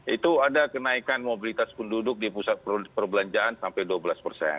itu ada kenaikan mobilitas penduduk di pusat perbelanjaan sampai dua belas persen